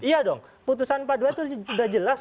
iya dong putusan pak dwi itu sudah jelas